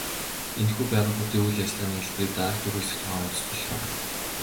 Энэхүү байгууллагуудын үйл ажиллагааны хэлбэрийг дараах дөрвөн хэсэгт хуваан үзэж болох юм.